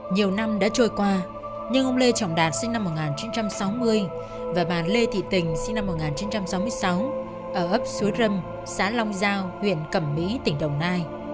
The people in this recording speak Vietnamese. nhiều năm đã trôi qua nhưng ông lê trọng đạt sinh năm một nghìn chín trăm sáu mươi và bà lê thị tình sinh năm một nghìn chín trăm sáu mươi sáu ở ấp suối râm xã long giao huyện cẩm mỹ tỉnh đồng nai